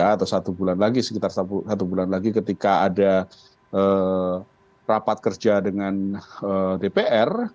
dua ribu dua puluh tiga atau satu bulan lagi sekitar satu bulan lagi ketika ada rapat kerja dengan dpr